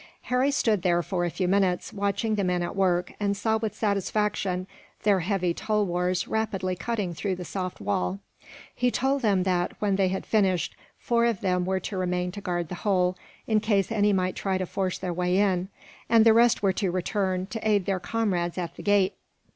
Harry stood there for a few minutes, watching the men at work, and saw with satisfaction their heavy tulwars rapidly cutting through the soft wall. He told them that, when they had finished, four of them were to remain to guard the hole, in case any might try to force their way in; and the rest were to return, to aid their comrades at the gate.